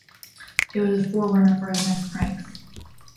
It was a forerunner for his next pranks.